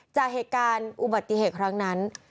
จากเหตุการณ์อุบัติเหตุครั้งนั้น